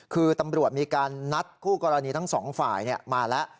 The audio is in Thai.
คือตำรวจมีการนัดคู่กรณีทั้งสองฝ่ายมาแล้ว